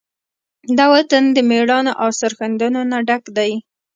دا وطن د مېړانو، او سرښندنو نه ډک دی.